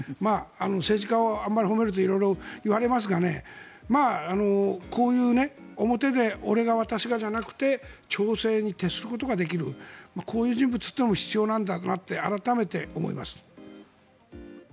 政治家をあまり褒めると色々言われますがこういう、表で俺が私がじゃなくて調整に徹することができるこういう人物というのは必要なんだなと改めて思いました。